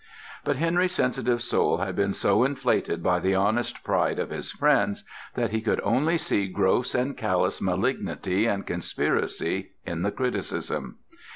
But Henry's sensitive soul had been so inflated by the honest pride of his friends that he could only see gross and callous malignity and conspiracy in the criticism.